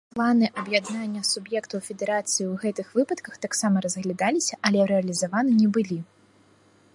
Планы аб'яднання суб'ектаў федэрацыі ў гэтых выпадках таксама разглядаліся, але рэалізаваны не былі.